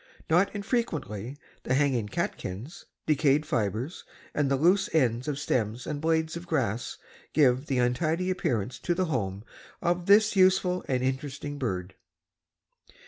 Not infrequently the hanging catkins, decayed fibres and the loose ends of stems and blades of grass give an untidy appearance to the home of this useful and interesting bird.